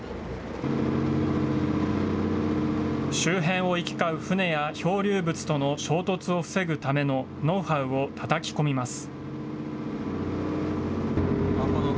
周辺を行き交う船や漂流物との衝突を防ぐためのノウハウをたたき込みます。